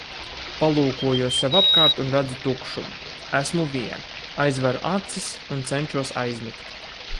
Palūkojos sev apkārt un redzu tukšumu. Esmu viena. Aizveru acis un cenšos aizmigt.